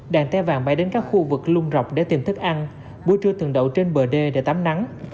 đàn tê vàng bay đến các khu vực lung rọc để tìm thức ăn buổi trưa từng đậu trên bờ đê để tắm nắng